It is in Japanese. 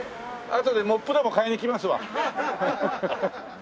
あとでモップでも買いに来ますわ。